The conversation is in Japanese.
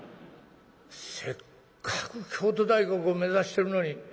せっかく京都大学を目指してるのに。